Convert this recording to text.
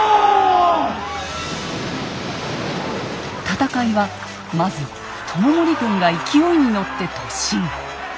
戦いはまず知盛軍が勢いに乗って突進。